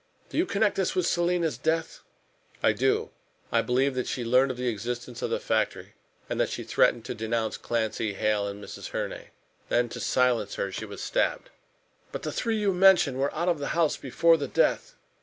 Do you connect this with Selina's death?" "I do. I believe that she learned of the existence of the factory, and that she threatened to denounce Clancy, Hale and Mrs. Herne. Then, to silence her, she was stabbed." "But the three you mention were out of the house before the death."